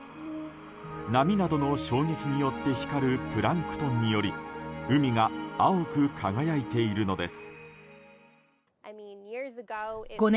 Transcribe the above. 波などの衝撃によって光るプランクトンにより海が青く輝いているのです。